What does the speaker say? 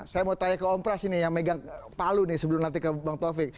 saya mau tanya ke om pras ini yang megang palu nih sebelum nanti ke bang taufik